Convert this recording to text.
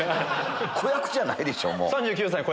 子役じゃないでしょもう。